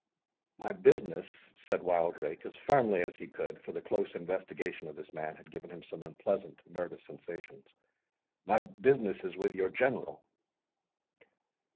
"My business," said Wildrake, as firmly as he could—for the close investigation of this man had given him some unpleasant nervous sensations—"my business is with your General."